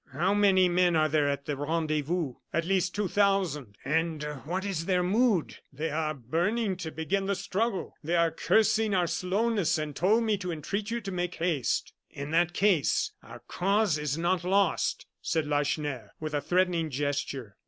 "How many men are there at the rendezvous?" "At least two thousand." "And what is their mood?" "They are burning to begin the struggle. They are cursing our slowness, and told me to entreat you to make haste." "In that case our cause is not lost," said Lacheneur, with a threatening gesture.